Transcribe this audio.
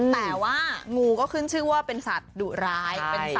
แต่ว่างูก็ขึ้นชื่อว่าเป็นสัตว์ดุร้าย